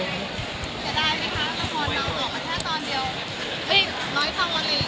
เสียดายไหมคะถ้าพอเราออกมา๕ตอนเดียว